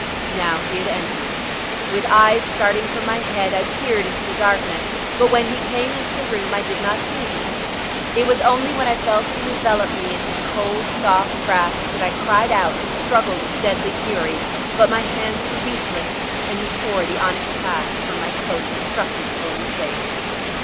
Now he had entered. With eyes starting from my head I peered into the darkness, but when he came into the room I did not see him. It was only when I felt him envelope me in his cold soft grasp that I cried out and struggled with deadly fury, but my hands were useless and he tore the onyx clasp from my coat and struck me full in the face.